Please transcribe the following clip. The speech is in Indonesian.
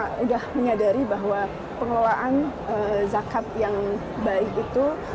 sudah menyadari bahwa pengelolaan zakat yang baik itu